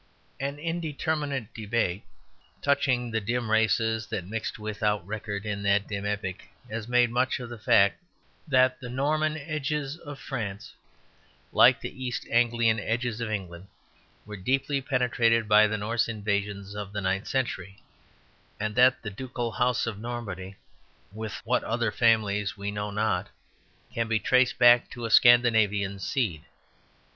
An indeterminate debate touching the dim races that mixed without record in that dim epoch, has made much of the fact that the Norman edges of France, like the East Anglian edges of England, were deeply penetrated by the Norse invasions of the ninth century; and that the ducal house of Normandy, with what other families we know not, can be traced back to a Scandinavian seed.